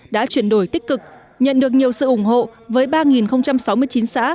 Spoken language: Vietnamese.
đã chuyển đổi tích cực nhận được nhiều sự ủng hộ với ba sáu mươi chín xã